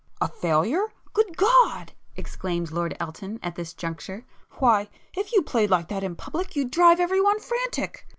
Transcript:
"A failure? Good God!" exclaimed Lord Elton at this juncture—"Why, if you played like that in public, you'd drive everyone frantic!"